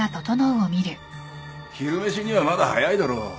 昼飯にはまだ早いだろ。